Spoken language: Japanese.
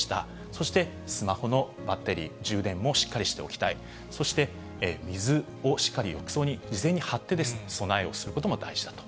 そして、スマホのバッテリー、充電もしっかりしておきたい、そして水をしっかり浴槽に事前に張って、備えをすることも大事だと。